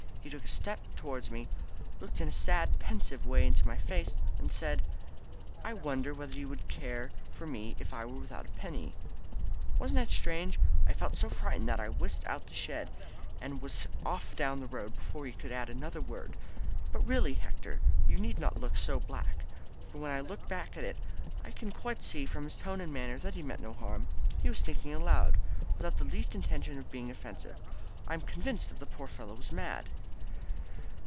He took a step towards me, looked in a sad pensive way into my face, and said: `I wonder whether you could care for me if I were without a penny.' Wasn't it strange? I was so frightened that I whisked out of the shed, and was off down the road before he could add another word. But really, Hector, you need not look so black, for when I look back at it I can quite see from his tone and manner that he meant no harm. He was thinking aloud, without the least intention of being offensive. I am convinced that the poor fellow was mad."